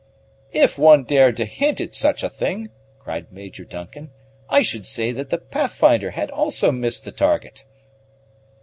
"If one dared to hint at such a thing," cried Major Duncan, "I should say that the Pathfinder had also missed the target."